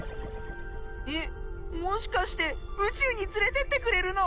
えっもしかしてうちゅうにつれてってくれるの？